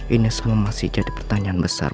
ini semua masih jadi pertanyaan besar